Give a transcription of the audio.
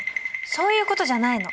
そういうことじゃないの。